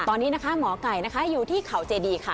ตอนนี้นะคะหมอไก่นะคะอยู่ที่เขาเจดีค่ะ